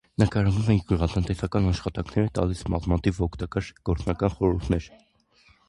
Նկարագրում է գյուղատնտեսական աշխատանքները, տալիս բազմաթիվ օգտակար գործնական խորհուրդներ։